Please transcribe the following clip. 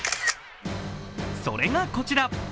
それがこちら。